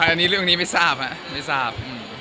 อันนี้เรียกละสัญญาไม่ทราบครับไม่ทราบ